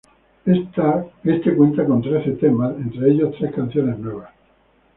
Éste cuenta con trece temas, entre ellos tres canciones nuevas.